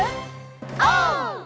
オー！